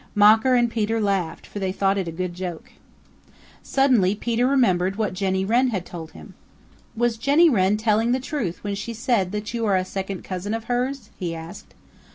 Mocker and Peter laughed, for they thought it a good joke. Suddenly Peter remembered what Jenny Wren had told him. "Was Jenny Wren telling you the truth when she said that you are a second cousin of hers?" he asked.